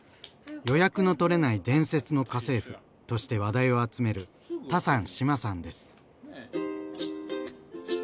「予約のとれない伝説の家政婦」として話題を集めるタサン志麻さんです。